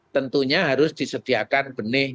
tentunya harus disediakan benih